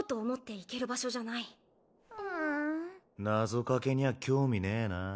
謎掛けにゃ興味ねぇな。